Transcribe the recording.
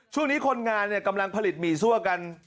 ช่วงนี้คนงานกำลังผลิตหมี่ซั่วกัน